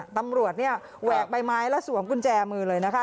ตำรวจแวกใบไม้และสวมคุณแจมือเลยนะคะ